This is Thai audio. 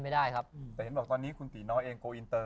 ไม่รู้สึกไปเอง